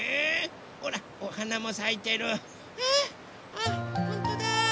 あっほんとだ。